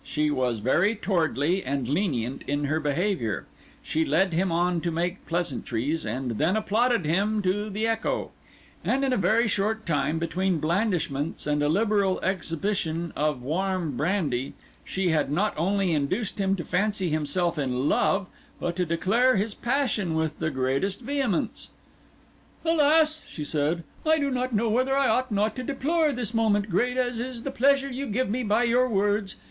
She was very towardly and lenient in her behaviour; she led him on to make pleasantries, and then applauded him to the echo; and in a very short time, between blandishments and a liberal exhibition of warm brandy, she had not only induced him to fancy himself in love, but to declare his passion with the greatest vehemence. "Alas!" she said; "I do not know whether I ought not to deplore this moment, great as is the pleasure you give me by your words.